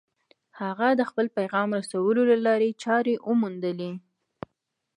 هغه د خپل پيغام رسولو لارې چارې وموندلې.